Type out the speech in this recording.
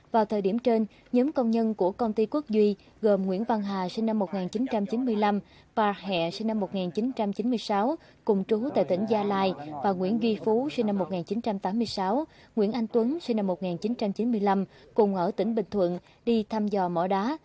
vào thời điểm trên nhóm công nhân của công ty quốc duy gồm nguyễn văn hà sinh năm một nghìn chín trăm chín mươi năm pà hẹ sinh năm một nghìn chín trăm chín mươi sáu cùng trú tại tỉnh gia lai và nguyễn duy phú sinh năm một nghìn chín trăm tám mươi sáu nguyễn anh tuấn sinh năm một nghìn chín trăm chín mươi năm cùng ở tỉnh bình thuận đi thăm dò mò đá